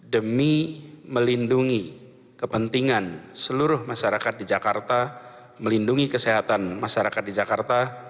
demi melindungi kepentingan seluruh masyarakat di jakarta